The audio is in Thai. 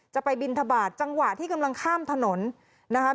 จะไปบินทบาทจังหวะที่กำลังข้ามถนนนะครับ